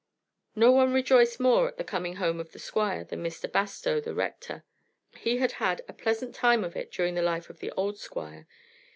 No one rejoiced more at the coming home of the Squire than Mr. Bastow, the Rector. He had had a pleasant time of it during the life of the old Squire.